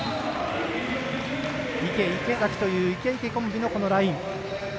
池、池崎というイケ・イケコンビのこのライン。